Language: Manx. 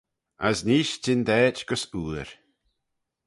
As neesht çhyndaait gys ooir.